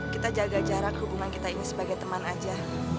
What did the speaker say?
kita jaga jarak hubungan kita ini sebagai teman aja